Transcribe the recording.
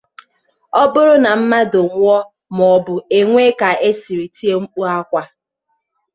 ọ bụrụ na mmadụ nwụọ maọbụ e nwee ka e siri tie mkpu akwa